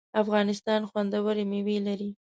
افغانستان خوندوری میوی لري